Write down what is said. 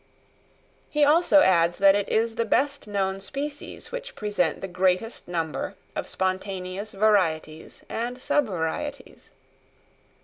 He also adds that it is the best known species which present the greatest number of spontaneous varieties and sub varieties.